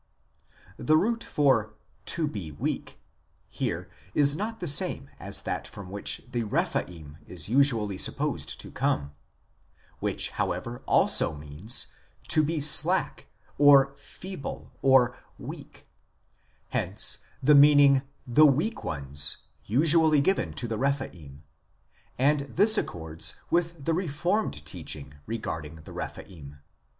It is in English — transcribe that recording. l The root for " to be weak " here is not the same as that from which the Rephaim is usually supposed to come, which, however, also means " to be slack," or " feeble," or " weak "; hence the meaning " the weak ones " usually given to the Rephaim; and this accords with the reformed teaching regarding the Rephaim.